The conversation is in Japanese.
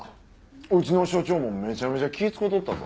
うちの署長もめちゃめちゃ気ぃ使うとったぞ。